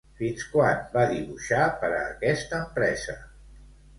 Fins quan va dibuixar per a aquesta empresa?